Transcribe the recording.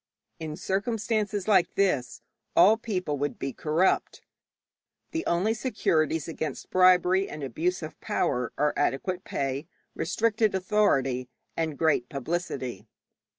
In circumstances like this all people would be corrupt. The only securities against bribery and abuse of power are adequate pay, restricted authority, and great publicity.